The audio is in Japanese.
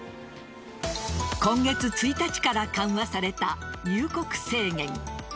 今月１日から緩和された入国制限。